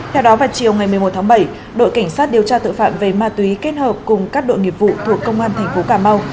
theo đó vào chiều ngày một mươi một tháng bảy đội cảnh sát điều tra tội phạm về ma túy kết hợp cùng các đội nghiệp vụ thuộc công an thành phố cà mau